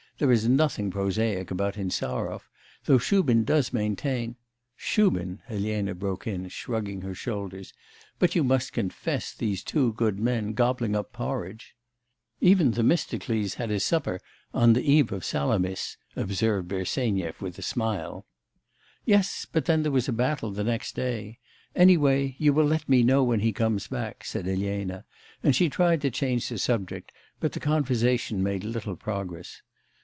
There is nothing prosaic about Insarov, though Shubin does maintain ' 'Shubin!' Elena broke in, shrugging her shoulders. 'But you must confess these two good men gobbling up porridge ' 'Even Themistocles had his supper on the eve of Salamis,' observed Bersenyev with a smile. 'Yes; but then there was a battle next day. Any way you will let me know when he comes back,' said Elena, and she tried to change the subject, but the conversation made little progress.